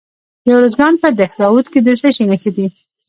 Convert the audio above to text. د ارزګان په دهراوود کې د څه شي نښې دي؟